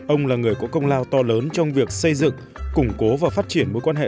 ông là người có công lao to lớn trong việc xây dựng củng cố và phát triển mối quan hệ